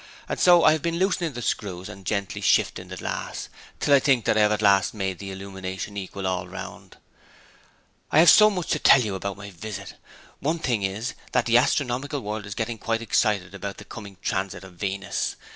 and so I have been loosening the screws and gently shifting the glass, till I think that I have at last made the illumination equal all round. I have so much to tell you about my visit; one thing is, that the astronomical world is getting quite excited about the coming Transit of Venus.